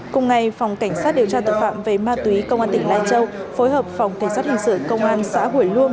cùng ngày phòng cảnh sát điều tra tội phạm về ma túy công an tỉnh lai châu phối hợp phòng cảnh sát hình sự công an xã hủy luông